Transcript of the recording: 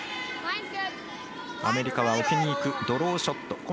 アメリカは置きにいくドローショット。